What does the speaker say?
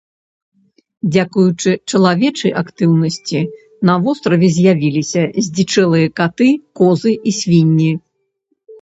Дзякуючы чалавечай актыўнасці на востраве з'явіліся здзічэлыя каты, козы і свінні.